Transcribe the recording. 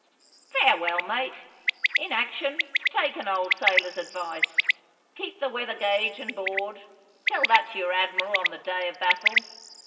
'"Farewell, mate! In action, take an old sailor's advice. Keep the weather gauge and board! Tell that to your admiral on the day of battle.